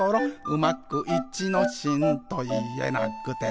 「うまく『いちのしん』といえなくて」